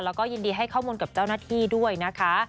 แล้วก็ยินดีให้ข้อมูลกับเจ้าหน้าที่ด้วยนะคะ